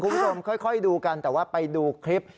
คุณผู้ชมค่อยดูกันแต่ว่าไปดูคลิป